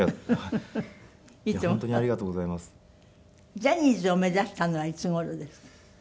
ジャニーズを目指したのはいつ頃ですか？